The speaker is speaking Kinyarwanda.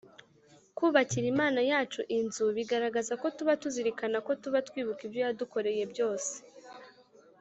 kubakira Imana yacu inzu bigaragaza ko tuba tuzirikana ko tuba twibuka ibyo yadukoreye byose